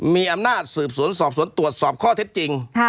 มีอำนาจสืบสวนสอบสวนตรวจสอบข้อเท็จจริง